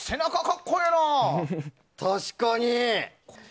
確かに！